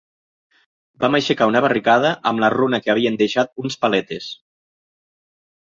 Vam aixecar una barricada amb la runa que havien deixat uns paletes